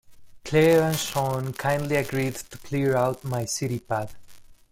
Claire and Sean kindly agreed to clear out my city pad.